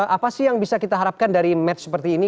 apa sih yang bisa kita harapkan dari match seperti ini